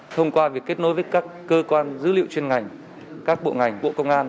thông qua việc kết nối với các cơ quan dữ liệu chuyên ngành các bộ ngành bộ công an